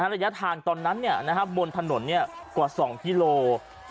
ระยะทางตอนนั้นบนถนนกว่า๒กิโล